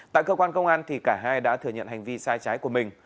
tại cơ quan công an cả hai đã thừa nhận hành vi sai trái của mình